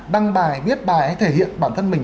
đăng bài viết bài ấy thể hiện bản thân mình